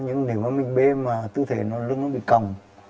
nhưng nếu mà mình bê mà tư thế lưng nó bị còng